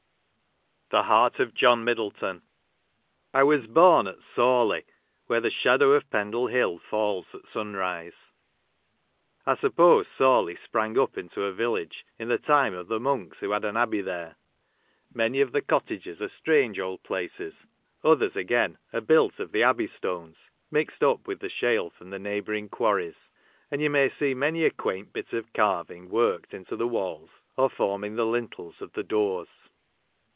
THE HEAET OF JOHN MIDDLETON. I WAS born at Sawley, where the shadow of Pendle Hill falls at sunrise. I suppose Sawley sprang up into a village in the time of the janoiiks,: who had.au abbey there. Many of the cottages are strange old places ; others again are built of the al >bey stones, mixed up with the .shale from the neighbouring quar ries; and you may see many a quaint bit of carving worked into the walls, or forming the lintels of the doors.